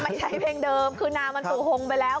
ไม่ใช้เพลงเดิมคือน้ามันสู่หงไปแล้ว